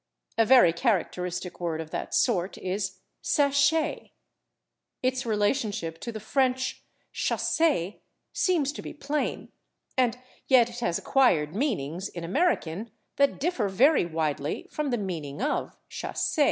A very characteristic word of that sort is /sashay/. Its relationship to the French /chassé/ seems to be plain, and yet it has acquired meanings in [Pg240] American that differ very widely from the meaning of /chassé